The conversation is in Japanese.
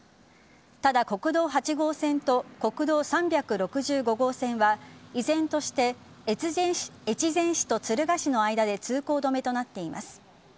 ただ国道８号線と国道３６５号線は依然として越前市と敦賀市の間で通行止めとなっています。